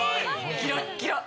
キラッキラ！